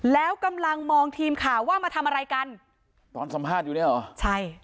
แล้วกำลังมองทีมข่าวว่ามาทำอะไรกันตอนสัมภาษณ์อยู่เนี่ยเหรอใช่